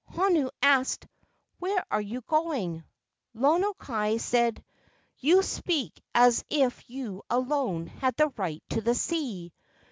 Honu asked, "Where are you going?" Lono kai said: "You speak as if you alone had the right to the sea.